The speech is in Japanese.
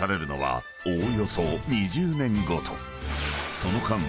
［その間は］